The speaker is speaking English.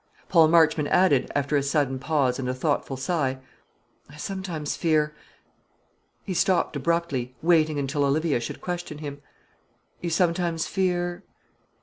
Paul Marchmont added, after a sudden pause and a thoughtful sigh, "I sometimes fear " He stopped abruptly, waiting until Olivia should question him. "You sometimes fear